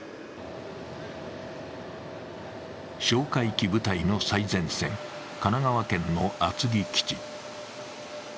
哨戒機部隊の最前線、神奈川県の厚木基地。